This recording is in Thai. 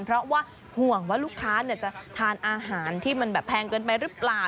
เพราะว่าห่วงว่าลูกค้าจะทานอาหารที่มันแบบแพงเกินไปหรือเปล่า